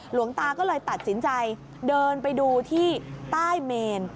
หลวงตาก็เลยตัดสินใจเดินไปดูที่ใต้เมน